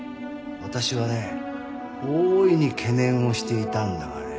私はね大いに懸念をしていたんだがね。